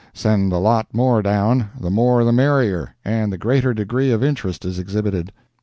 Send a lot more down—the more the merrier, and the greater degree of interest is exhibited.